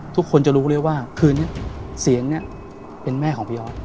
ทุกคนจะรู้เลยว่าคืนนี้เสียงเนี่ยเป็นแม่ของพี่ออส